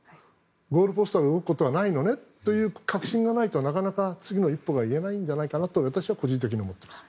ゴールポストが動くことはないのね？という確信がないとなかなか次の一歩が言えないんじゃないかと私は個人的に思っています。